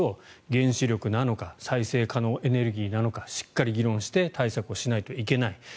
原子力なのか再生可能エネルギーなのかしっかり議論して対策をしないといけない。